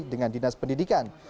dengan dinas pendidikan